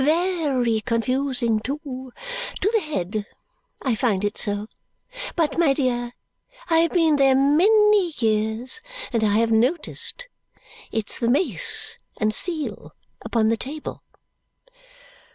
Ve ry confusing, too. To the head. I find it so. But, my dear, I have been there many years, and I have noticed. It's the mace and seal upon the table."